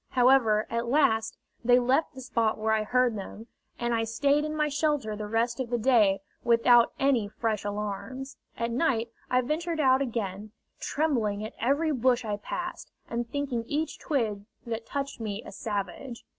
However, at last they left the spot where I heard them, and I stayed in my shelter the rest of that day without any fresh alarms. At night I ventured out again, trembling at every bush I passed, and thinking each twig that touched me a savage.